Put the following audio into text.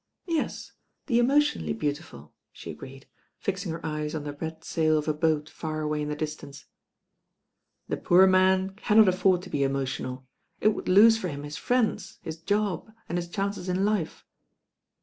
"Yes, the emotionally beautiful," she agreed, fixing her eyes on the red sail of a boat far away in the distance. "The poor man cannot afford to be emotional. It would lose for him his friends, his job and his chances in life."